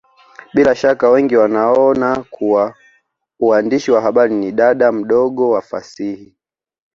Bila shaka wengi wanaona kuwa uandishi wa habari ni dada mdogo wa fasihi